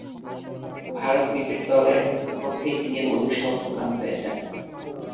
Bharat cricket দলের বিপক্ষেই তিনি অধিক সফলকাম হয়েছেন।